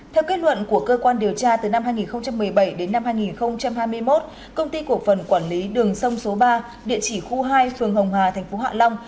theo kết luận của cơ quan điều tra từ năm hai nghìn một mươi bảy đến năm hai nghìn hai mươi một công ty cổ phần quản lý đường sông số ba địa chỉ khu hai phường hồng hà thành phố hạ long